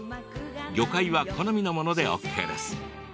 魚介は好みのものでＯＫです。